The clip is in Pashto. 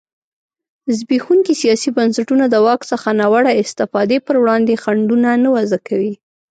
زبېښونکي سیاسي بنسټونه د واک څخه ناوړه استفادې پر وړاندې خنډونه نه وضعه کوي.